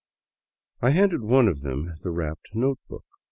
I handed one of them the wrapped notebook.